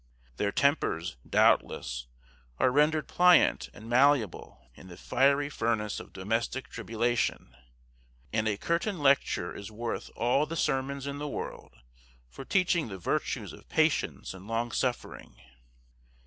Their tempers, doubtless, are rendered pliant and malleable in the fiery furnace of domestic tribulation, and a curtain lecture is worth all the sermons in the world for teaching the virtues of patience and long suffering.